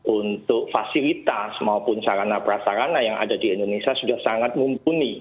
untuk fasilitas maupun sarana prasarana yang ada di indonesia sudah sangat mumpuni